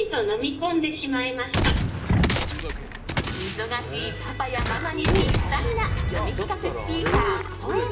忙しいパパやママにピッタリな読み聞かせスピーカー